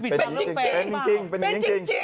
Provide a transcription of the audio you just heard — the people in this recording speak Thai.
เป็นจริงเป็นจริง